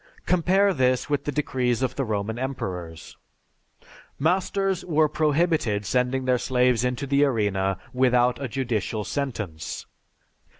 Compare this with the decrees of the Roman emperors: "Masters were prohibited sending their slaves into the arena without a judicial sentence.